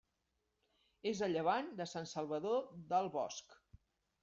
És a llevant de Sant Salvador del Bosc.